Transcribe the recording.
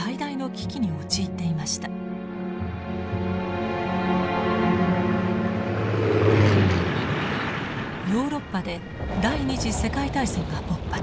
ヨーロッパで第二次世界大戦が勃発。